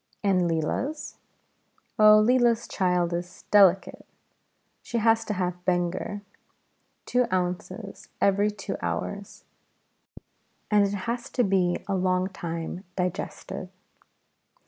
"And Leela's?" "Oh, Leela's child is delicate. She has to have Benger. Two ounces every two hours; and it has to be a long time digested."